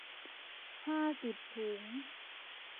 ห้าสิบถุง